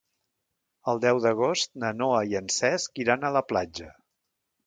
El deu d'agost na Noa i en Cesc iran a la platja.